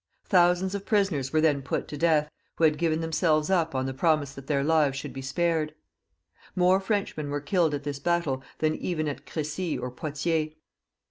Thousands of prisoners were then put to death, who had given themselves up on the promise that their lives should be spared. More Frenchmen were kUled at this battle than even at Cressy or Poitiers.